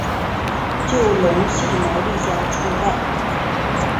就隆系毛利家初代。